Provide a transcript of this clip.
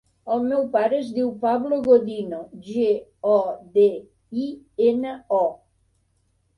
El meu pare es diu Pablo Godino: ge, o, de, i, ena, o.